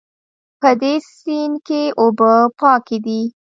په دې سیند کې اوبه پاکې دي